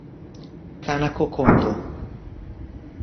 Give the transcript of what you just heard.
Kanako Kondō